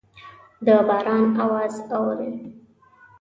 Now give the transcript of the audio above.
د باران اواز اورئ